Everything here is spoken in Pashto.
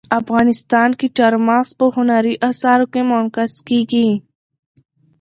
افغانستان کې چار مغز په هنري اثارو کې منعکس کېږي.